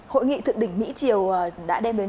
hội nghị thượng đỉnh mỹ triều đã đem đến